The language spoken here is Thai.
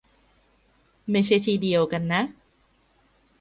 ไม่ใช่ที่เดียวกันนะ